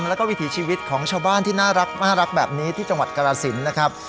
แล้วก็วิถีชีวิตของชาวบ้านที่น่ารักแบบนี้ที่จังหวัดกรสินนะครับ